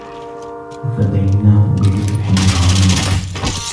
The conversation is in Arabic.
وَفَدَيناهُ بِذِبحٍ عَظيمٍ